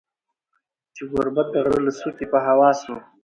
چي ګوربت د غره له څوکي په هوا سو